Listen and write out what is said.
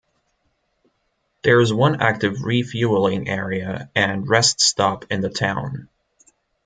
There is one active refueling area and rest stop in the town.